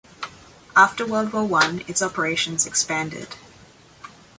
After World War One, its operations expanded.